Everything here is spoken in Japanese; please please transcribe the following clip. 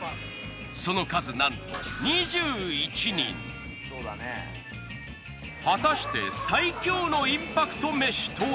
その数なんと果たして最強のインパクト飯とは！？